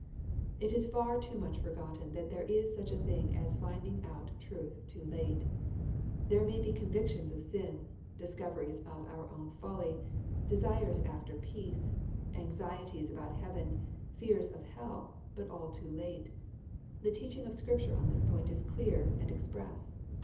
It is far too much forgotten that there is such a thing as finding out truth too late. There may be convictions of sin, discoveries of our own folly, desires after peace, anx ieties about heaven, fears of hell, — but all too late. The teaching of Scripture on this point is clear and express.